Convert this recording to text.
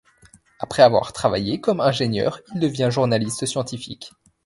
Après avoir travaillé comme ingénieur, il devient journaliste scientifique.